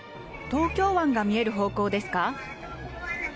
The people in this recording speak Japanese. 東京湾が見える方向ですか？